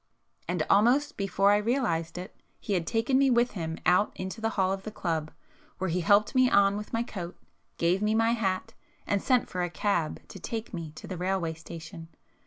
And almost before I realized it, he had taken me with him out into the hall of the club, where he helped me on with my coat, gave me my hat, and sent for a cab to take me to the railway station.